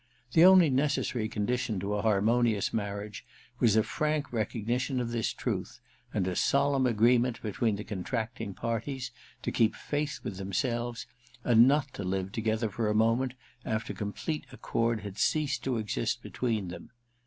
The only necessary condition to a harmonious marriage was a frank recognition of this truth, and a solemn agree ment between the contracting parties to keep faith with themselves, and not to live together for a moment after complete accord had ceased to exist between them.